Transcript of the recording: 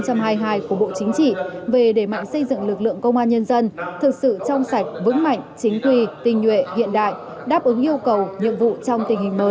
của bộ chính trị về để mạnh xây dựng lực lượng công an nhân dân thực sự trong sạch vững mạnh chính quy tình nguyện hiện đại đáp ứng yêu cầu nhiệm vụ trong tình hình mới